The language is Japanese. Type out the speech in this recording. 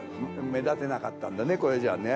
目立てなかったんだねこれじゃあね。